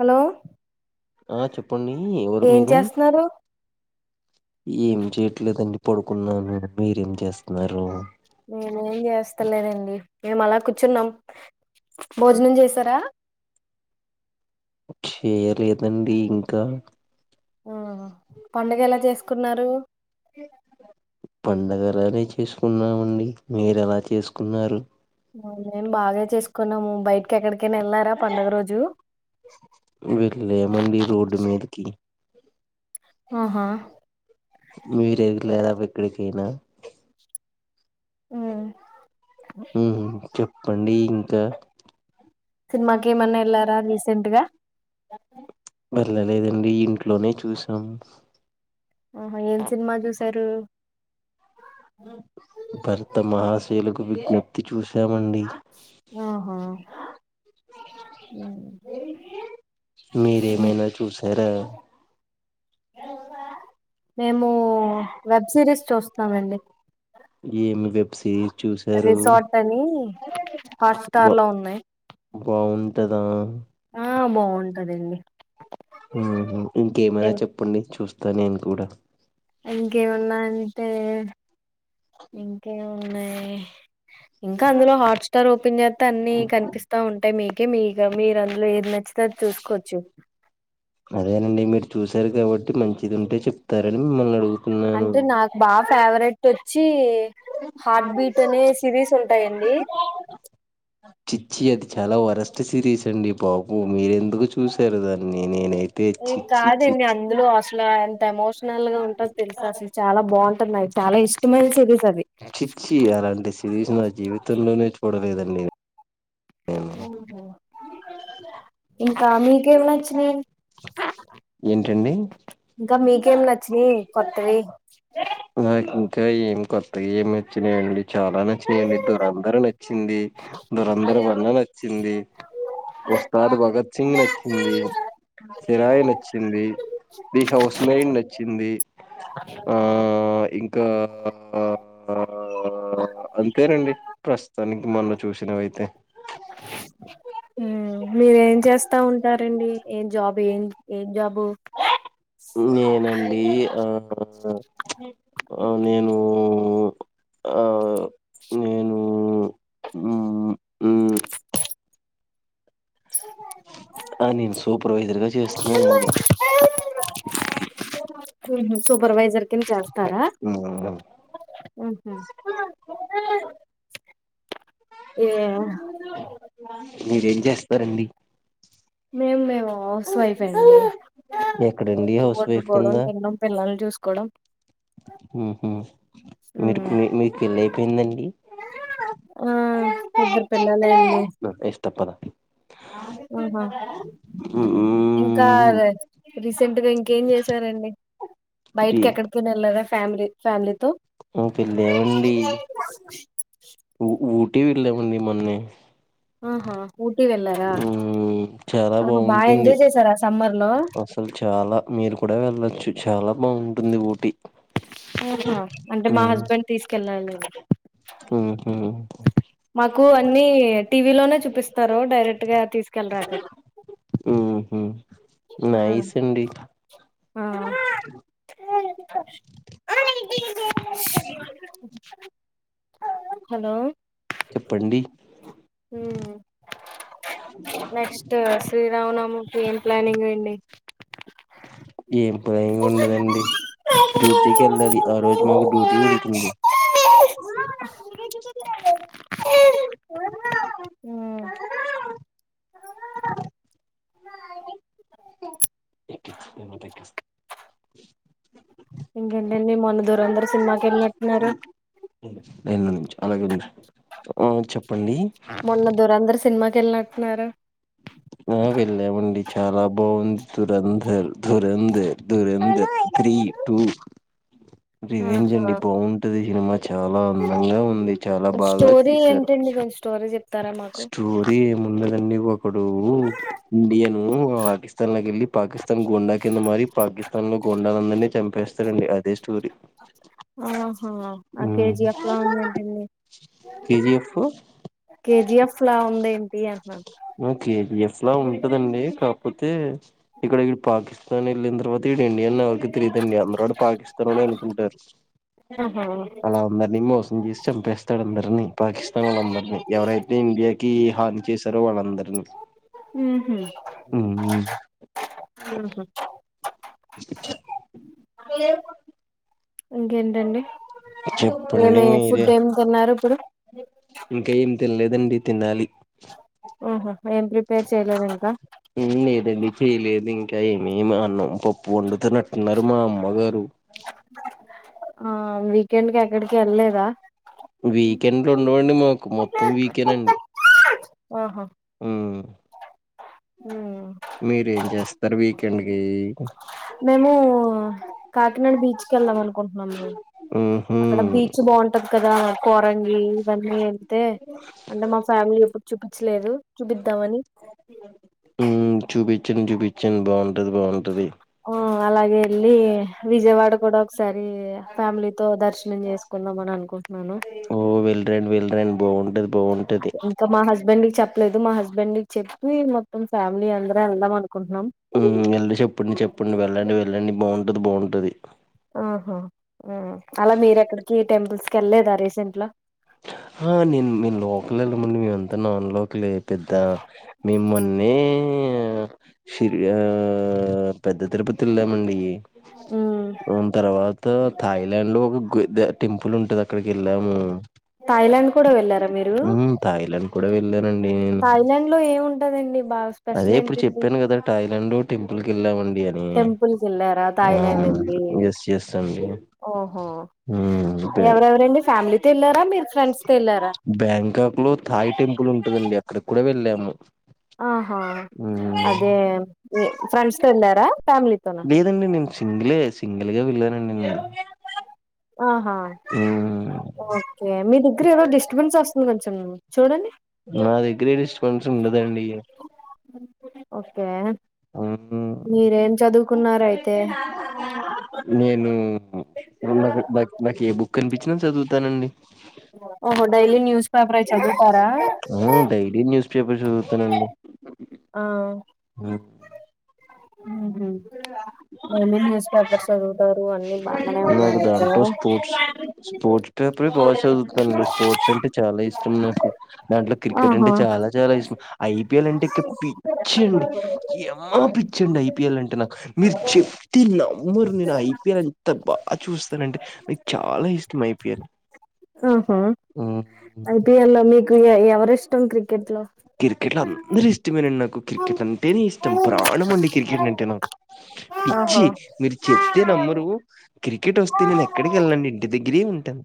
Hello ఆ చెప్పండి ఎవరు ఏం మీరు, చేస్తున్నారు ఏమి చేయట్లేదండి పడుకున్నాను మీరేం చేస్తున్నారు నేనేం జెస్ తలేనండి మేము అలా కూర్చున్నాం భోజనం చేసారా చేయలేదండి ఇంకా పండుగ ఎలా చేసుకున్నారు పండగలనే చేసుకున్నామండి మీరేలా చేసుకున్నారు మేం బాగా చేసుకున్నాము బయట కేక్కడి వెళ్ళ మండి రోడ్ మీదికి ఆహా మీరేది లేదా ఎక్కడికైనా ఉమ్, ఉహు చెప్పండి ఇంకా సినిమాకి సినిమాకి ఏమన్నా ఏమన్న వెళ్ళారా రీసెంట్ గా ఎల్ల వెళ్లలేదండి ఇంట్లో లోనే చూసాం ఆహా ఏం సినిమా చూసారు భరత మహాశైలుకు విజ్ఞప్తి చూసామండి ఆహా ఉమ్, మీరేమైనా చూశారా అవా చూస్తామండి ఏ మీ వెబ్ సి రిసార్ట్ అని హాట్ స్టార్ లో ఉన్నాయి హా ఆ బాగుంటదండి ఇంకేమైనా చెప్పండి చూస్ త నేను కూడా ఇంకేమన్నా అంటే ఇంకేమున్నాయి ఇంకా అందులో హాట్స్టార్ ఓపెన్ చేతే అన్ని కనిపిస్తా ఉంటాయి మీకే మీ గమీరు అందులో ఎది న నచ్చితే అది చూసుకోవచ్చు అదేనండి మీరు చూసారు కాబట్టి మంచి ఇది ఉంటే చెప్తారని మిమ్మల్ని అడుగు అంటే నాకు బాగా ఫేవరెట్ చే హార్ట్ బీట్ అనే సిరీస్ ఉంటాయండి చిచ్చి అది చాలా వరస్ ట్ సిరీస్ అండి పాపు మీర ఎందుకు చూసారు దాన్ని నేన ఏ కాదీ అందులో అసలు తెమోస్ నల్ గా ఉంటుంది తెలుసు అసలు చాలా బాగుం [inaudible] చిచ్చి అలాంటి సిరీ నా జీవితంలోనే చూడలేదండి ఓహో ఇంకా మీకేం నచ్చినాయి ఏంటండి ఇంకా మీకేం నచ్చినాయి కొత్తవి నాకు ఇంకా ఏం అవేం నచ్చనాయండి చాలా నచ్చినాయండి దురేందర్ నచ్చింది దూరేందర్ నచ్చింది ఉస్తాద్ భగత్ సింగ్ నచ్చింది సిరాయి నచ్చింది ఇ హౌస్ మెన్ నచ్చింది, ఆ ఇంకా ఆ అంతేనండి ప్రస్తుతానికి మొన్న చూసినవయితే ఏం చేస్తా ఉంటారు అండి ఏం జాబ్ ఏం జాబ్ నేనా అండి ఆ నేను ఆ నేను మ్మ్ మ్మ్ [inaudible] ఆ నేను సూపర్వైజర్ గా చేస్తున్నానండి మ్ సూపర్వైజర్ కింద చేస్ మ్ ఉహు ఏమో మీరేం చేస్తారండి మేమ్ మేము హౌస్ వైఫె నండి ఎక్కడండి రోజు హౌస్ వైఫ్ వండుకోవడం కింద తినడం పిల్లల్ని చూసుకో కుడం ఉహు మీరు హ్మ్ మీ మీకు పెళ్లి అయిపోయిందండి ఆ ఇద్దరు ఇస్తా పదా ఉహు ఇంక రా రిస్కు తింటదెంగ్ ఎమ్ చేశారండి కి డి బయటకి ఎక్కడకి వెళ్లలేదా ఫ్యామిలీ ఫ్యామిలీ తో [inaudible] ఊ ఊటి వేల్ మిమ్మల్ని ఆహా ఊటీ వెళ్ళారా చాలా ఆహా బాగా బాగుంటుంది ఎంజాయ్ చేసారా సమ్మర్ లో అసలు చాలా మీరు కూడా వెళ్ళచ్చు చాలా బాగుంటుంది ఊటీ ఆహా అంటే మా ఉహు హస్బెండ్ తీసుకెళ్ళాలి ఉహు మాకు అన్నిీ టీవీలోనే చూపిస్తారు డైరెక్ట్ గా తీసుకెళ్ళరా నైస్డి ఆ హలో చెప్పండి నెక్స్ట్ శ్రీరామనామకి ఏం ప్లానింగ్ అండి ఏం ప్రై ఉండదండి డ్యూటీకి వెళ్ళది ఆ రోజు మాకు డ్యూటీ ఉంటుంది ఇకి ఏమ ఇ ఇంకేంటం మొన్న దూరం అందరుూ సినిమాకి వెళ్ళినట్టున్నారు అలాగే ఆ చెప్పండి మొన్న దూరం అందరుూ సినిమా కి వెళ్ళినట్టున్నారు ఆ వెళ్ళామండి చాలా బాగుంది దురంధర్ దురంధర్ దురంత త్రీ టూ రివేంజ్ ఆహా అండి బాగుంటది తిరుమ చాలా అందంగా ఉంది చాలా బాగా స్టోరీ తీసారు ఏంటండి కొంచెం స్టోరీ చెప్తారా మాకు స్టోరి ముందుదన్ని ఇప్పుడు ఇండియాను పాకిస్తాన్ లోకిెళ్ళి పాకిస్తాన్ గోండా కింద మారి పాకిస్తాన్ లో గోంండందరిాంపి ేస్తారండి అది ఆహా ఆ కేజీఎఫ్ లా ఉందేంటండి కేజీఎఫ్ కేజిఎఫ్ లా ఉంది ఏంటి అన్న కాపోతే ఇక్కడ ఇ పాకిస్ తునింద్రిలోత్ తిడండి అనిరికి తదండి అందరు కూడా పాకిస్తాన్ నోడే అనుకుంటారు ఆహా అలా అందరినీ మోస్ ముగిస్ చంపేస్తాడు అందరినీ పాకిస్తాన్ వాళ్ళందరినీ ఎవరైతే నే ఇండియాకి హాని చేశారు వాళ్ళందరిని ఉహు ఉహు ఆడ ఐరుకోను ఇంకేంటండి మే మే ఫుడ్ ఏం తిన్నారు ఇప్పుడు ఇంకేం తినలేదండి తినాలి పేరు చేయలేదు ఇంకా ఉన్నిఇరు ఏమి చేయలేదు ఇంకా ఏమి మా అన్నం పప్పు వండుతున్నట్టు ఉన్నారు మా అమ్మగారు అబ్బ ఆ అవును వీకెండ్కి ఎక్కడికి వెళ్లలేదా వీకెండ్లు ఉండవండి మాకు మొత్తం ఆహా ఉ ఉమ్. మీరు ఏం చేస్తారు వీకెండ్ కి మేము కాకినాడ బీచ్ కు వెళ్దాం అనుకుంటున్నాము మేం ఊహు అక్కడ బీచ్ బాగుంటది కదా కోరంగి ఇవన్నీ వెళ్తే అంటే మా ఫ్యామిలీ ఎప్పుడు చూపించలేదు చూపిద్దామని ఉమ్ చూపి కిచెన్ చూపించన్ బాగుంటది బాగుంటది ఆ అలాగే లే విజయవాడ కూడా ఒకసారి ఫ్యామిలీతో దర్శనం చేసుకుందాం అని అనుకుంటున్నాను ఓ వెల్డ్రైన్ వెల్డ్రైన్ బోవును ఇంకా మా హస్బెండ్ కి చెప్ లేదు మా హస్బెండ్ చెప్పి మొత్తం ఫ్యామిలీ అందరం ఎళ్దాం అను ఊ వెళ్ళి చెప్పండి చెప్పండి వెళ్ళండి. వెళ్ళండి బాగుంటది బాగుంటది ఆహా అలా మీర ఎక్కడికి టెంపుల్స్ కి వెళ్లేదా ర సెంట్లా హా నేను మే లోకలల ము మే నాన్ లోకలె పెద్ద మిమ్మల్నీ ఆ షిరియా పెద్ద తిరుపతి వెళ్ళామండి. మ్మ్ ఉం తర్వాత థాయిలాండ్ లో ఒక టెంపుల్ ఉంటది అక్కడికి వెళ్ళాము. థాయిలాండ్ కూడా వెళ్లారా మీరు వెళ్ళమ్ థాయిలాండ్ లో ఏమి ఉంటదండి. అదే ఇప్పుడు చెప్పాను కదా థాయిలాండ్ టెంపుల్కి వెళ్ళమన్ యా టెంపుల్ కి వెళ్ళారా వా థాయిలాండ్ వెళ్ళి ఎస్ ఎస్ అండి ఓహో అంతే ఎవరెవరండి ఫ్యామిలీతో వెళ్ళారా మీరు ఫ్రెండ్స్ తో వెళ్ళారా బ్యాంకాక్ లో థాయి టెంపుల్ ఉంటందండి. అక్కడికి కూడా వెళ్ళాము. ఆహా హ్మ్. అదే ఫ్రెండ్స్ తో వెళ్ళారా ఫ్యామిలీతోనా సింగిల్ గా వెళ్లానండినేను ఆహా ఓకే మీ దగ్గర డిస్టబెన్స్ వస్తున్ ని నా దగ్గర ఏ డిస్టబెన్స్ ఉండదండి. ఓకే హ్మ్. మీరేం చదువుకున్నారు అయితే నేను నాకు నాకి ఈ బుక్ కనిపించింది చదువుతన అండి. ఓహో డైలీ న్యూస్ పేపర్ చదువు ఆ డైలీ న్యూస్ పేపర్ చదువుతానండి. ఆ ఉహు ఏం ఏం న్యూస్ పేపర్స్ చదువుతారు. అన్ని బాగానే నాకు ఉన్నాయయితే దాంట్లో స్పోర్ట్స్, స్పోర్ట్స్ పేపర బా చదువుతానె స్పోర్ట్స్ అంటే చాలా ఇష్టం నాకు, దాంట్లో క్రికెట్ ఆహా అంటే చాలా చాలా ఇష్టం ఐపిఎల్ అంటే కి పిచ్చ్ అండి యమ పి చ్చండి ఐపీఎల్ అంటే నాక్, మీర్ చెప్తే నమ్మరు నేను ఐ పిర్ ఎంత బా చూస్తానంటే ఐ చాలా ఇష్టం ఐపీఎల్, ఆహా హు ఐపీఎల్ లో మీకు ఎ ఎవరిష్టం క్రి క్రికెట్ లో అందరూ ఇష్టమేనంని నాకు క్రికెట్ అంటే నే ఇష్టం ప్రా ణం అండి క్రికెట్ నింటే నాకు, పిచ్చి మీరు చెప్తే నమ్మరు క్రికెట్ వస్తే నేను ఎక్కడికి ఎళ్ళండి ఇంటి దగ్గరే ఉంటాన్,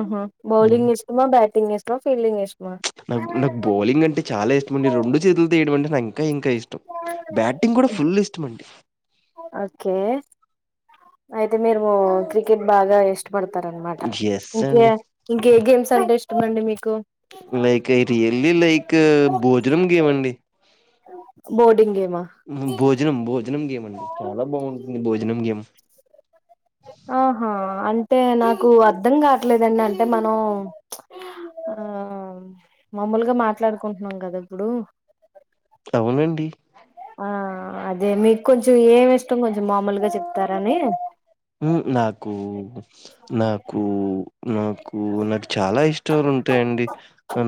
ఆహా హు బౌలింగ్ ఇష్టమా బ్యాటింగ్ ఇష్టమా ఫీల్డింగ్ ఇష్టమా చ్ నబ్ న బౌలింగ్ అంటే చాలా ఇష్టంమండి రెండు చేతులతో వేయడం అంటే నం కా ఇంకా ఇష్టం బ్యాటింగ్ కూడా ఫుల్ ఇష్టంమండి. ఓకే, ఐప్ తే మీర్ మో, క్రికెట్ బాగా పడతార్ అనమాట ఎస్ ఇంకె అండి ఇంకె గేమ్స్ అంటే ఇస్ మండి మీకు లైక్ ఎ రియల్లీ లైక్ భోజనం గేమండి. బోర్డింగ్ గేమ్ మ్ భోజనం భోజనం గేమ్అండి చాలా బావుంటుంది భోజనం గేమ్ టే నాకు అర్ధం కావట్లేదండి నన్ టే మనం ఆ మామూలుగా మాట్లాడుకుంట్నం కదా ఇప్పుడు అవునండి ఆ అదే మీక్ కొంచం ఏమి ఇష్టం కొంచెం మామూలుగా చెప్తారని ఉ నాకు నాకు నా కు నాకు చాలా ఇష్టాలుంటాయండి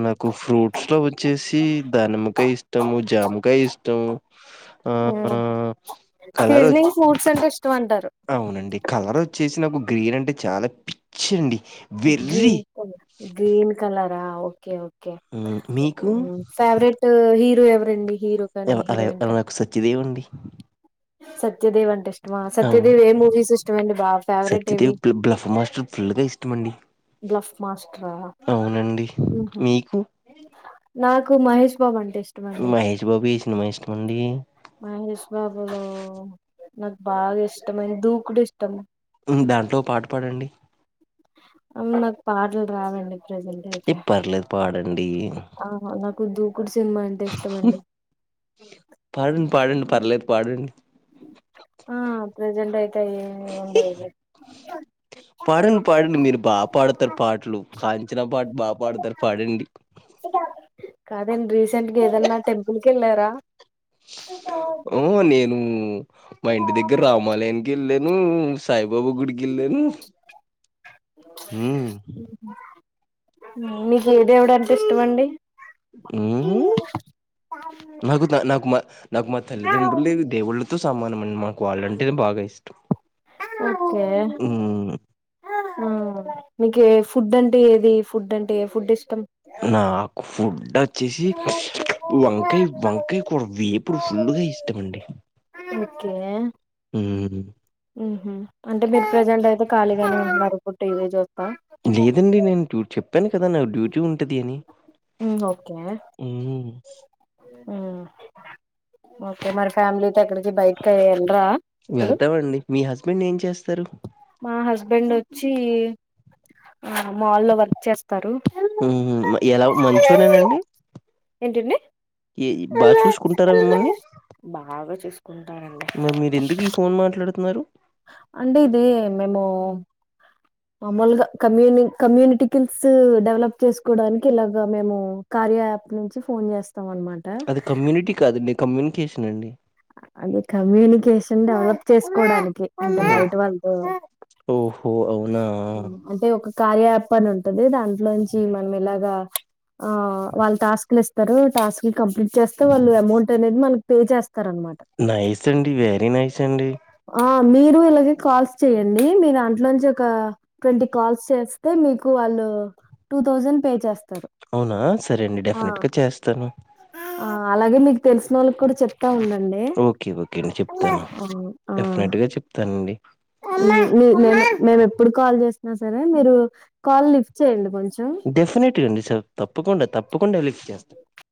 నాకు ఫ్రూట్స్ లో వచ్చేసి ధనిమకాయ ఇష్టము జామకాయ ఇష్టము ఆ, కలర్ సీజనింగ్ ఫ్రూట్స్ అంటే ఇష్టం అంటారు అవునండి కలర్ చేసి నాకు గ్రీన్ అంటే చాలా పిచ్చండి. వెర్రి. గ్రీన్ కల్ గ్రీన్ కలర్ రాఒ కే ఓకే, హ్మ్. మీకు? ఫేవరేట్ హీరో ఎవ్ రండి హీరో కానీ ఎవ అలా హీరోయిన్ అలా కా, నాకు సత్యదేవ్ అండి. సత్యదేవ్ అంటే ఇష్టమా అవును. సత్యదేవ్ ఏ మూవీస్ ఇష్టమండి బా ఫేవరెట్ ఏవి సత్యదేవ్ బ్ల బ్లఫ్ మాస్టర్ ఫుల్‌గా ఇష్టమండి. బ్లఫ్ మాస్ట్రా అవునండి మీకు నాకు మహేష్ బాబు అంటే ఇష్టమండి మహేష్ బాబు ఈ సినిమా ఇష్టం అండి మహేష్ బాబు నాకు బాగా ఇష్టమైనంది దూకూడు ఇష్టం దాంట్లో పాట పాడండి అం నాకు పాట్ల రావండి ప్రజెంట్ అయితే ఏ పర్లేదు పాడండి ఆహా నాకు దూకుడు సినిమా అంటే ఇష్టమండి పాడండి పాడండి పర్లేదు పాడండి ఆ ప్రజ జంటే పాడండి పాడండి మీరు బా పాడతారు పాటలు కాంచన పాట బా పాడతారు పాడండి కదండి రీస్ రీసెంట్ గా ఏదన్నా టెంపుల్ కు వెళ్ళారా ఓ నేను మా ఇంటి దగ్గర రామాలయానికి ఏళ్ళాను సాయిబాబా గుడికి ఏళ్ళాను ఉమ్ మీకు ఏ దేవుడంటే ఇష్టమండి ఉమ్ నాకు నా నాకు మా నాకు మా తల్లిదండ్రులే దేవుళ్ళతో సమా మనం అన్నమాట వాళ్ళంటే బాగా ఇష్టం ఓకే ఉమ్ ఉం మీకీ ఏ ఫుడ్ అం ఏది ఫుడ్ అంటే ఏ ఫుడ్ ఇష్టం నాకు ఫుడ్ ఆన్ వచ్చేసి వంకాయ్ వంకాయ్ కూరా వేపుడు ఫుల్గా ఇష్టమండి కే ఉమ్ ఉహు అంటే మీరు ప్రజెంట్ అయితే ఖాళీగానే ఉన్నారు ఇప్పుడు టీ వీ జుత్త లేదండి. ది నీ ఉ ఓకే ఉ ఓకే మరి ఫ్యామిలీ ఏక్కడికి బయటికి ఏండ్రా ఇప్పుడు తరు మా హస్బెండ్ ఒచ్చి ఆ మాల్లో వర్క్ చేస్ తరు హ్మ్. మ ఎలా మంచోనేనండి? ఏంటండి ఏ బా చూసుకుంటారా మిమ్మల్ని? మరి మీరెందుకు ఈ ఫోన్ మాట్లాడుతున్నారు? అంటే ఇది మేము మామూలుగా కమ్యూని కమ్యూనిటీకిల్స్ డెవలప్ చేసుకోవడానికి ఇలాగా మేము కార్య యాప్ నుంచి ఫోన్ చేస్ అది కమ్యూనిటీ కాదు కమ్యూనికేషన్ అండి అది కమ్యూనికేషన్ డెవలప్ చేసుకోవడానికి అంటే ఓహ్! బయట వాళ్ళతో ఓహో! అవునా! అంటే ఒక కార్య యాప్ అని టది దాంట్లో నుంచి మనం ఇలాగా ఆ వాళ్ళు టాస్క్ లు ఇస్తారు టాస్క్ కంప్లీట్ చేస్తే వాళ్ళు అమౌంట్ అనేది మనకి పే చేస్ నైస్ అండి వెరీ నైస్ అండి ఆ మీరు ఇలాగే కాల్స్ చెయ్యండి మీ దాంట్లో నుంచి ఒక ట్వంటీ కాల్స్ చేస్ అంటే మీకు వాళ్ళు టూ థౌజండ్ పే చేస్తారు అవునా సరే అండి ఆ డెఫినెట్గా చేస్తాను ఆ అలాగే మీకు తెలిసిన వాళ్ళకి కూడా చెప్ తు ఉండండి ఓకే. ఓకే అండి. చెప్తాను. ఆ ఆ డెఫినెట్‌గా చెప్తానండి. మీ మేము మేము ఎప్పుడు కాల్ చేస్ ఆ సరే మీరు కాల్ లిఫ్ట్ చెయ్యండి కొంచెం డెఫినెట్‌గా అండి. స తప్పకుండా తప్పకుండా లిఫ్ట్ చేస్తా